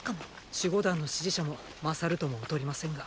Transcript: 守護団の支持者も優るとも劣りませんが。